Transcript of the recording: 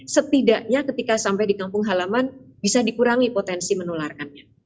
setidaknya ketika sampai di kampung halaman bisa dikurangi potensi menularkannya